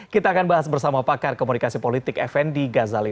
kita akan bahas bersama pakar komunikasi politik fnd gazali